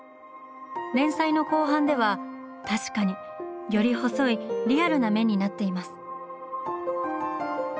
連載の後半では確かにより細いリアルな目になっています。